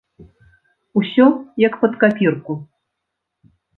Усё як пад капірку!